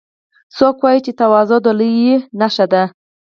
څوک وایي چې تواضع د لویۍ نښه ده